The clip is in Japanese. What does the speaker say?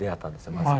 まず。